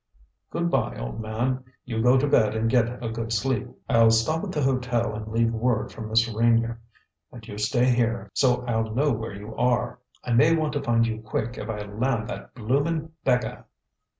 "Good by, old man. You go to bed and get a good sleep. I'll stop at the hotel and leave word for Miss Reynier. And you stay here, so I'll know where you are. I may want to find you quick, if I land that bloomin' beggar."